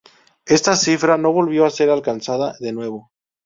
Esta cifra no volvió a ser alcanzada de nuevo.